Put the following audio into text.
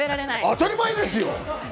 当たり前ですよ！